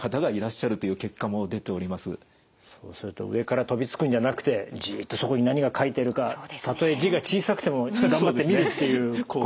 そうすると上から飛びつくんじゃなくてじっとそこに何が書いてるかたとえ字が小さくても頑張って見るっていうことですよね。